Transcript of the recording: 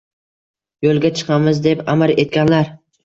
Yo’lga chiqamiz deb amr etganlar.